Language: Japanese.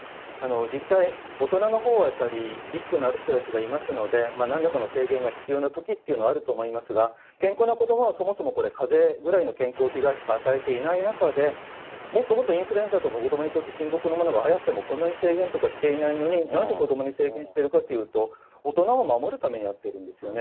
実際、大人のほうはやっぱりリスクのある人たちがいますので、なんらかの制限が必要なときっていうのはあると思いますが、健康な子どもはそもそもかぜぐらいの健康被害しか与えていない中で、もっともっとインフルエンザとか子どもにとって深刻なものがはやっても、こんなに制限とかしていないのに、なんで子どもに制限をつけるかというと、大人を守るためにやってるんですよね。